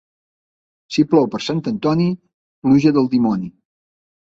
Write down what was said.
Si plou per Sant Antoni, pluja del dimoni.